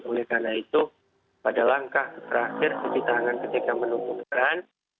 oleh karena itu pada langkah terakhir cuci tangan ketika menumbuhkan